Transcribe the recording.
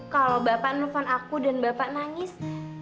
kalau bapak nelfon aku dan bapak nangis